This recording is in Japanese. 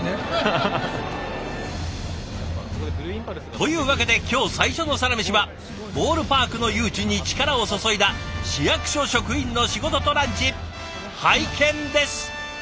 というわけで今日最初のサラメシはボールパークの誘致に力を注いだ市役所職員の仕事とランチ拝見です！